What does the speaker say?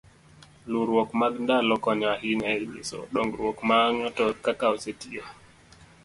luwruok mag ndalo konyo ahinya e nyiso dongruok ma ng'ato kaka osetiyo